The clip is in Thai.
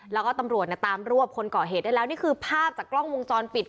แล้วก็ตำรวจตามรวบคนก่อเหตุได้แล้วนี่คือภาพจากกล้องวงจรปิด